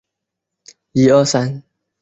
广泛作用于移动浏览器。